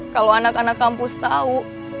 kalau anak anak kampus tahu